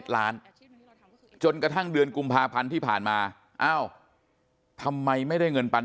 จนกระทั่งเดือนกุมภาพันธ์ที่ผ่านมาอ้าวทำไมไม่ได้เงินปัน